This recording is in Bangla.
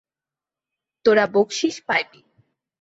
তোরা বকশিশ পাইবি।